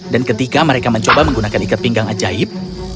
dan ketika mereka mencoba menggunakan ikat pinggang ajaib